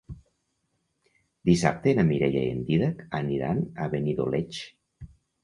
Dissabte na Mireia i en Dídac aniran a Benidoleig.